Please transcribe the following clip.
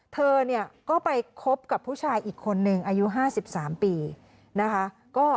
เธอเนี่ยก็ไปคบกับผู้ชายอีกคนนึงอายุ๕๓ปีนะคะ